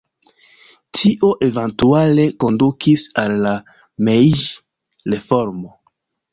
Tio eventuale kondukis al la Mejĝi-reformo.